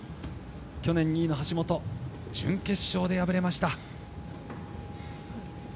去年２位の橋本準決勝で敗れました。